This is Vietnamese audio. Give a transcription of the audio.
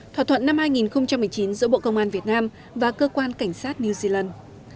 thỏa thuận năm hai nghìn một mươi chín giữa bộ công an việt nam và cơ quan cảnh sát new zealand